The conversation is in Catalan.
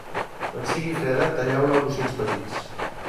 Quan sigui freda, talleu-la a bocins petits.